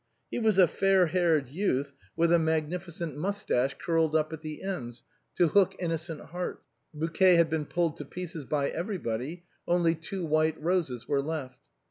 He was a fair haired youth, with a magnificent moustache curled up at the ends, to hook innocent hearts. The bouquet had beeen pulled to pieces by everybody; only the two white roses M^ere left.